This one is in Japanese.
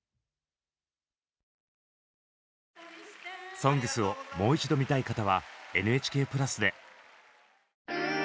「ＳＯＮＧＳ」をもう一度見たい方は「ＮＨＫプラス」で！